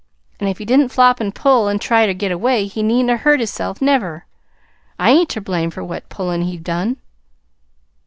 An' if he didn't flop an' pull an' try ter get away he needn't 'a' hurt hisself never. I ain't ter blame for what pullin' he done."